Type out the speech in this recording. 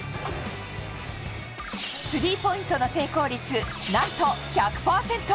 スリーポイントの成功率何と１００％！